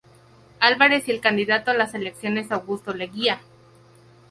Álvarez y el candidato a las elecciones Augusto Leguía.